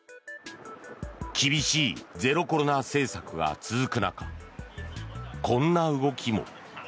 厳しいゼロコロナ政策が続く中こんな動きも。